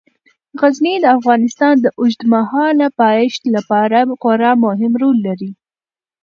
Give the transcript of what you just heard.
غزني د افغانستان د اوږدمهاله پایښت لپاره خورا مهم رول لري.